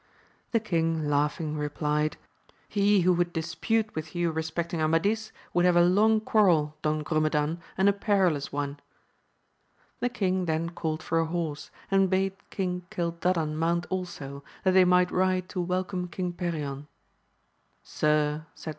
The king laughing replied. He who would dispute with you respecting Amadis, would have a long quarrel, Don Grumedan, and a perilous one ! The King then called for a horse, and bade King 238 AMADIS OF GAUL. Cildadan mount also, that they might ride to welcome King Perion.